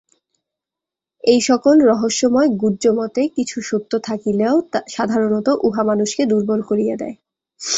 এই-সকল রহস্যময় গুহ্য মতে কিছু সত্য থাকিলেও সাধারণত উহা মানুষকে দুর্বল করিয়া দেয়।